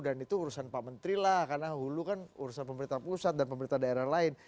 dan itu urusan pak menteri lah karena hulu kan urusan pemerintah pusat dan pemerintah daerah lain